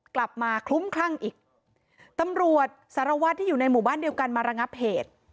คลุ้มคลั่งอีกตำรวจสารวัตรที่อยู่ในหมู่บ้านเดียวกันมาระงับเหตุ